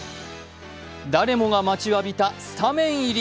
誰もが待ちわびたスタメン入り。